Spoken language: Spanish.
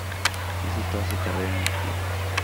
Hizo toda su carrera en el club.